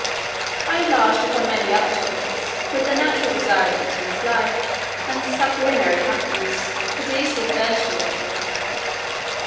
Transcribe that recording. I enlarged upon many other topics, which the natural desire of endless life, and sublunary happiness, could easily furnish me with.